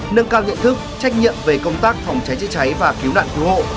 nâng cao nhận thức trách nhiệm về công tác phòng cháy cháy cháy và cứu nạn thu hộ